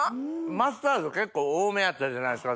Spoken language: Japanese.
マスタード結構多めやったじゃないですか。